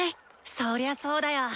そりゃそうだよ！